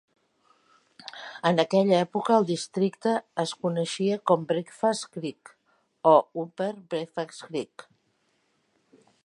En aquella època el districte es coneixia com el Breakfast Creek o l'Upper Breakfast Creek.